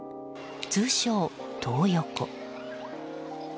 通称、トー横。